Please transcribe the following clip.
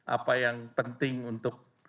apa yang penting untuk